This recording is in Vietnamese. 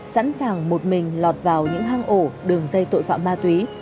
sẵn sàng một mình lọt vào những hang ổ đường dây tội phạm ma túy